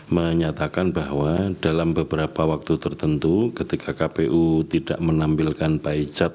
menyatakan bahwa dalam beberapa waktu tertentu ketika kpu tidak menampilkan by chat